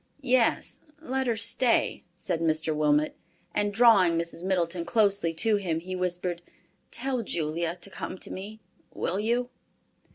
"Yes, let her stay," said Mr. Wilmot, and drawing Mrs. Middleton closely to him, he whispered, "Tell Julia to come to me, will you?"